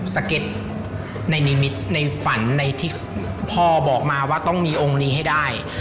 สะเก็ดในนิมิตในฝันในที่พ่อบอกมาว่าต้องมีองค์นี้ให้ได้